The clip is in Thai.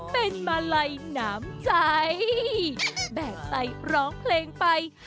เป็นมาลัยน้ำใจแบกใจร้องเพลงไป